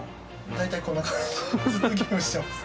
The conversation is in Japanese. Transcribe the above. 大体こんな感じずっとゲームしてます。